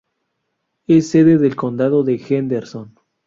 Es sede del condado de Henderson.